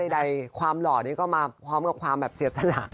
ใดความหล่อนี้ก็มาพร้อมกับความแบบเสียสละ